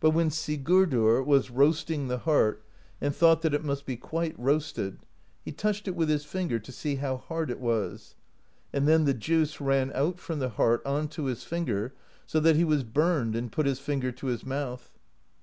But when Sigurdr was roasting the heart, and thought that it must be quite roasted, he touched it with his finger to see how hard it was; and then the juice ran out from the heart onto his finger, so that he was burned and put his finger to his mouth.